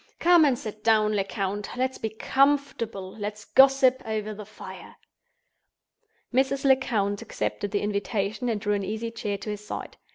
"Come and sit down, Lecount. Let's be comfortable—let's gossip over the fire." Mrs. Lecount accepted the invitation and drew an easy chair to his side.